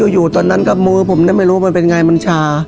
อยู่ตอนนั้นก็มือผมได้ไม่รู้มันเป็นอะไร